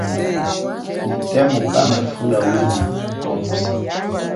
Nyi temo kanafula wina wakusa.